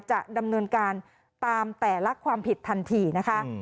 จะดำเนินการตามแต่ละความผิดทันทีนะคะ